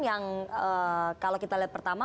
yang kalau kita lihat pertama